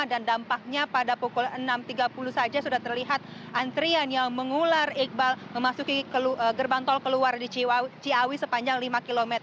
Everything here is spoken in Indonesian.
dan dampaknya pada pukul enam tiga puluh saja sudah terlihat antrian yang mengular iqbal memasuki gerbang tol keluar di ciawi sepanjang lima km